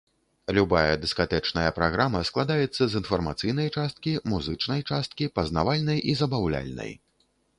Любая дыскатэчная праграма складаецца з інфармацыйнай часткі, музычнай часткі, пазнавальнай і забаўляльнай.